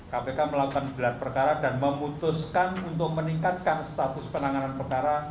kpk melakukan gelar perkara dan memutuskan untuk meningkatkan status penanganan perkara